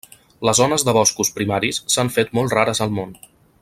Les zones de boscos primaris s'han fet molt rares al món.